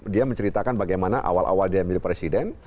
dia menceritakan bagaimana awal awal dia menjadi presiden